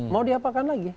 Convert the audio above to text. mau diapakan lagi